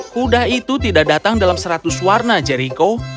kuda itu tidak datang dalam seratus warna jericho